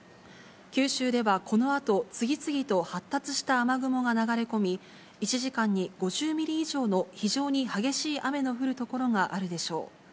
九州ではこのあと、次々と発達した雨雲が流れ込み、１時間に５０ミリ以上の非常に激しい雨の降る所があるでしょう。